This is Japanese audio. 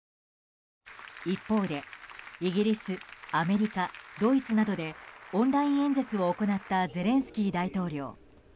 一方で、イギリス、アメリカドイツなどでオンライン演説を行ったゼレンスキー大統領。